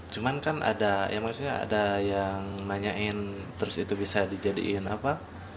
cuman kan ada ya maksudnya ada yang nanyain terus itu bisa dijadikan apa